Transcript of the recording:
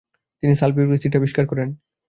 তিনি sulphuric acid আবিষ্কার করেন।